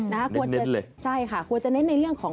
เน็ตเลยใช่ค่ะควรจะเน็ตในเรื่องของ